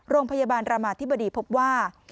โรงพยาบาลรามาธิบดีพบว่า